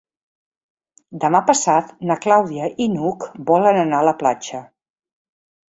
Demà passat na Clàudia i n'Hug volen anar a la platja.